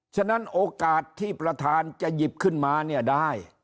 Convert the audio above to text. ฉะนั้นโอกาสที่ประธานจะหยิบขึ้นมาเนี่ยได้